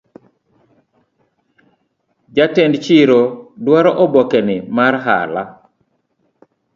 Jatend chiro dwaro obokeni mar hala